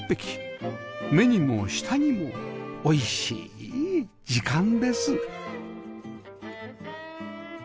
目にも舌にも美味しい時間です